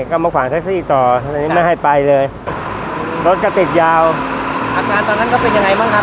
ก็มาขวางแท็กซี่ต่อเลยไม่ให้ไปเลยรถก็ติดยาวอาการตอนนั้นก็เป็นยังไงบ้างครับ